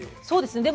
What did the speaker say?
そうです。